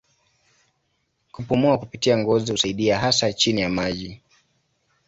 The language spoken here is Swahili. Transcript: Kupumua kupitia ngozi husaidia hasa chini ya maji.